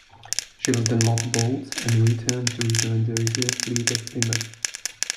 She was then mothballed and returned to rejoin the reserve fleet at Plymouth.